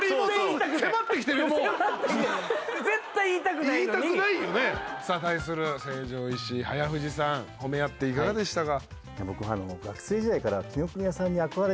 絶対言いたくないのに言いたくないよねさあ対する成城石井早藤さん褒め合っていかがでしたか？